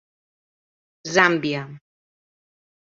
Zàmbia.